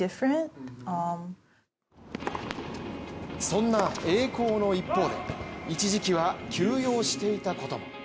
そんな栄光の一方で一時期は休養していたことも。